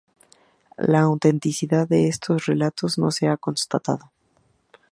La autenticidad de estos relatos no se ha constatado.